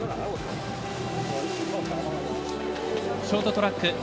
ショートトラック